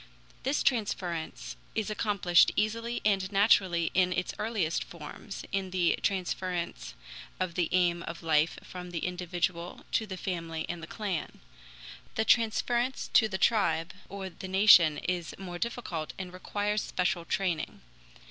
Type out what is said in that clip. This transference is accomplished easily and naturally in its earliest forms, in the transference of the aim of life from the individual to the family and the clan. The transference to the tribe or the nation is more difficult and requires special training.